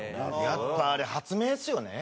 やっぱあれ発明ですよね。